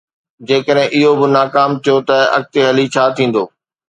جيڪڏهن اهو به ناڪام ٿيو ته اڳتي هلي ڇا ٿيندو؟